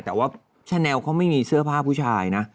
แต่ว่าชะแลลเขาไม่มีเสื้อผ้าผู้ชายนะ